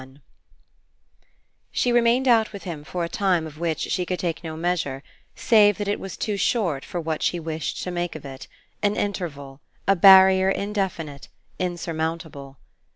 XXXI She remained out with him for a time of which she could take no measure save that it was too short for what she wished to make of it an interval, a barrier indefinite, insurmountable.